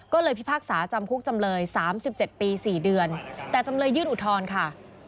ก็เลยพิพากษาจำคุกจำเลย๓๗ปี๔เดือนแต่จำเลยยื่นอุทธรณ์ค่ะ